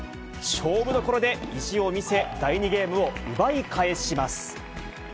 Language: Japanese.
勝負どころで意地を見せ、第２ゲームを奪い返します。